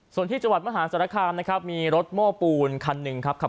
ส่วนที่จังหวัดมหาศาลคามนะครับมีรถโม้ปูนคันหนึ่งครับ